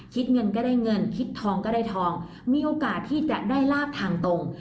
คิดเงินก็ได้เงินคิดทองก็ได้ทองมีโอกาสที่จะได้ลาบทางตรง